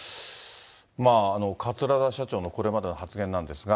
桂田社長のこれまでの発言なんですが。